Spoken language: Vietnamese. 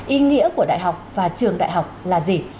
ý nghĩa của đại học và trường đại học là gì